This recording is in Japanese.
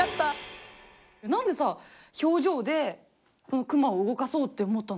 何でさ表情でこのクマを動かそうって思ったの？